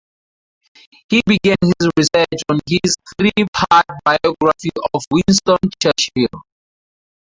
He began his research on his three-part biography of Winston Churchill.